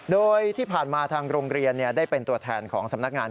โดยที่ผ่านมาทางโรงเรียนได้เป็นตัวแทนของสำนักงาน